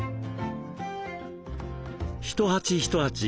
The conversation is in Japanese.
一鉢一鉢